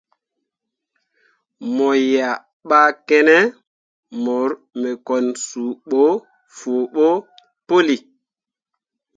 Mo yea ɓa kene mor me kwan suu ɓo fuo ɓo pəlli.